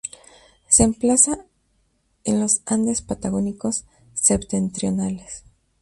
Se emplaza en los Andes Patagónicos Septentrionales.